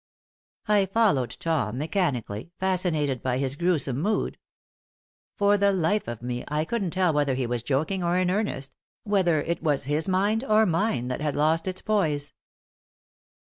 '" I followed Tom mechanically, fascinated by his gruesome mood. For the life of me I couldn't tell whether he was joking or in earnest, whether it was his mind or mine that had lost its poise.